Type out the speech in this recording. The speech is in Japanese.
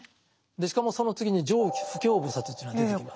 でしかもその次に「常不軽菩薩」というのが出てきます。